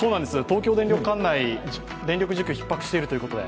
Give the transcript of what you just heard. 東京電力管内の電力需給がひっ迫してると。